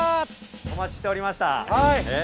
お待ちしておりました。